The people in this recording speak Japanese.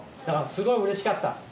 だからすごい嬉しかった。